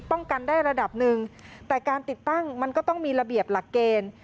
กันได้ระดับหนึ่งแต่การติดตั้งมันก็ต้องมีระเบียบหลักเกณฑ์